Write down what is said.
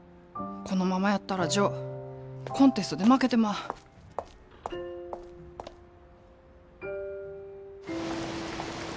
このままやったらジョーコンテストで負けてまう。